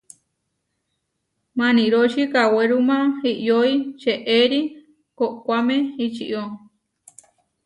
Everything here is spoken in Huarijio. Maniroči kawéruma iʼyói čeʼéri koʼkoáme ičió.